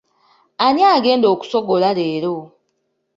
Ani agenda okusogola leero?